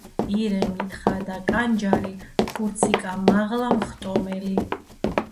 „ირემი, თხა და კანჯარი, ქურციკა მაღლა მხტომელი.